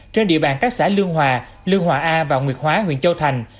trên địa bàn các xã lương hòa lương hòa a và nguyệt hóa huyện châu thành